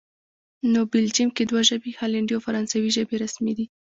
نو بلجیم کې دوه ژبې، هالندي او فرانسوي ژبې رسمي دي